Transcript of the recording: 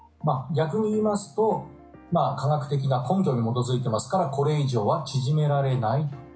逆に言いますと科学的な根拠に基づいていますからこれ以上は縮められないと。